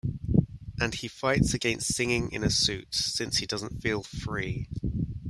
And he fights against singing in a suit, since he doesn't feel 'free'.